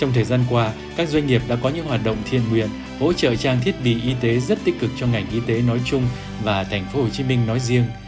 trong thời gian qua các doanh nghiệp đã có những hoạt động thiên nguyện hỗ trợ trang thiết bị y tế rất tích cực cho ngành y tế nói chung và thành phố hồ chí minh nói riêng